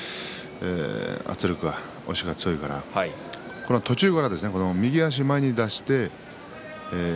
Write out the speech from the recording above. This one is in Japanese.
圧力、押しが強いから途中から右足を前に出して。